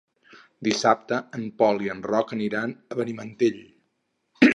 Dissabte en Pol i en Roc aniran a Benimantell.